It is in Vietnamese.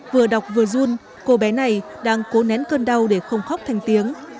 vừa đọc vừa run cô bé này đang cố nén cơn đau để không khóc thành tiếng